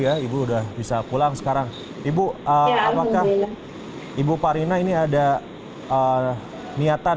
ya ibu udah bisa pulang sekarang ibu apakah ibu parina ini ada niatan